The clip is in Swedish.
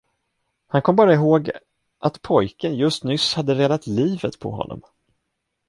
Han kom bara ihåg, att pojken just nyss hade räddat livet på honom.